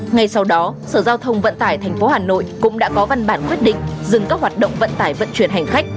ngay sau đó sở giao thông vận tải tp hà nội cũng đã có văn bản quyết định dừng các hoạt động vận tải vận chuyển hành khách